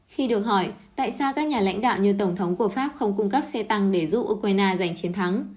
khi được hỏi tại sao các nhà lãnh đạo như tổng thống của pháp không cung cấp xe tăng để giúp ukraine giành chiến thắng